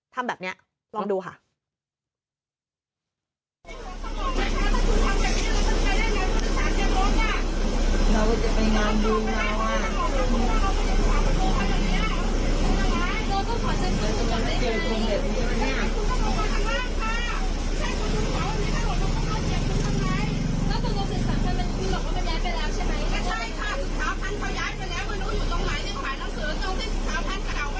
ทำแบบนี้ลองดูค่ะ